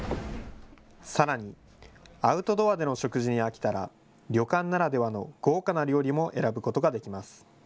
さらにアウトドアでの食事に飽きたら旅館ならではの豪華な料理も選ぶことができます。